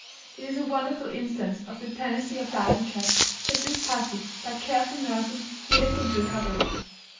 It is a wonderful instance of the tenacity of life in cats, that this pussy, by careful nursing, made a good recovery.